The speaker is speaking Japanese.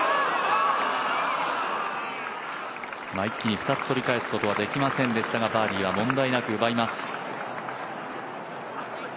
一気に２つ、取り返すことはできませんでしたがバーディーは問題なく奪います。